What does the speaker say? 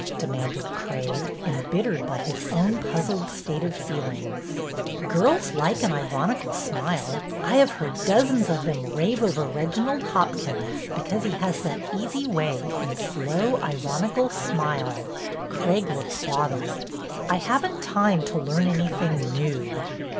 demanded Craig, embittered by his own puzzled state of feelings. ." Girls like an ironical smile. I have heard dozens of them rave over Reginald Hopkins, be cause he has that easy way and slow, ironical smile." Craig looked bothered. " I have n't time to learn anything new."